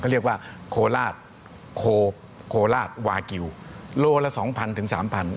เรียกว่าโคราชโคราชวากิลโลละสองพันถึงสามพัน